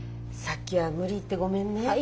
さっきは無理言ってごめんね。